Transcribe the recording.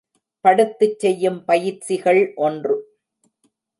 படுத்துச் செய்யும் பயிற்சிகள் ஒன்று.